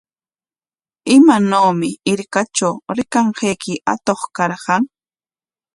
¿Imanawmi hirkatraw rikanqayki atuq karqan?